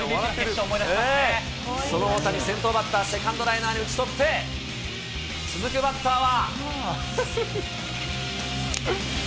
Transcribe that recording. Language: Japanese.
その大谷、先頭バッターをセカンドライナーに打ち取って、続くバッターは。